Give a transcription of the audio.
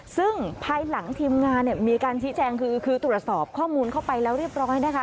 ซึ่งภายหลังทีมงานเนี่ยมีการชี้แจงคือตรวจสอบข้อมูลเข้าไปแล้วเรียบร้อยนะคะ